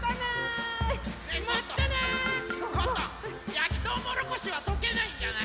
やきとうもろこしはとけないんじゃない？